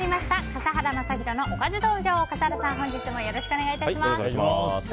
笠原さん、本日もよろしくお願いいたします。